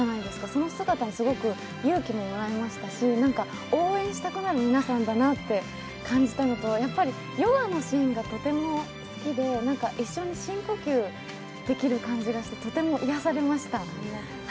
その姿にすごく勇気ももらいましたし、応援したくなる皆さんだなと感じたのとやっぱりヨガのシーンがとても好きで、一緒に深呼吸できる感じがしてとても癒やされました。